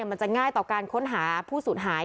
มันจะง่ายต่อการค้นหาผู้สูญหาย